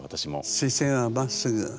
視線はまっすぐ。